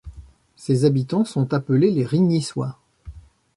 Ses habitants sont appelés les Rignyssois.